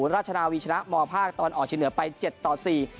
ราชาวิชนะมภาคตอนออชินเวิร์ดไป๗๔